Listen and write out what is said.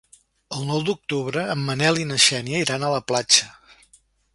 El nou d'octubre en Manel i na Xènia iran a la platja.